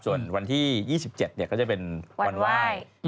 ส่วนวันที่๒๗ก็จะเป็นวันไหว้